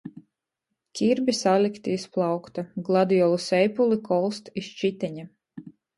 Kirbi salykti iz plaukta, gladiolu seipuli kolst iz čiteņa.